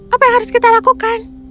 apa yang harus kita lakukan